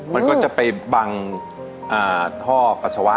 มันก็จะไปบังท่อปัสสาวะ